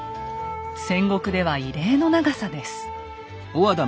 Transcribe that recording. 戦国では異例の長さです。